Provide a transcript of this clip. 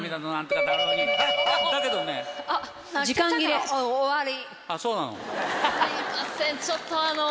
すいませんちょっと。